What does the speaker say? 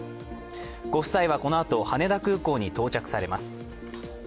ご夫妻はこのあと羽田空港に到着されます。